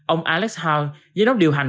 ông alex hahn giám đốc điều hành